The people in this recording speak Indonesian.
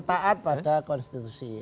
taat pada konstitusi